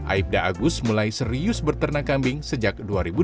aibda agus mulai serius berternak kambing sejak dua ribu delapan